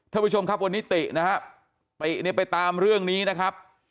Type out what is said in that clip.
ท่านผู้ชมครับวันนี้ตินะครับติเนี่ยไปตามเรื่องนี้นะครับ